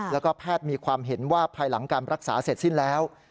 แล้วก็แพทย์มีความเห็นว่าภายหลังการรักษาเสร็จสิ้นแล้ว